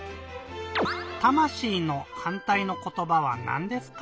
「たましい」のはんたいのことばはなんですか？